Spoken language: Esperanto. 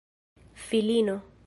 filino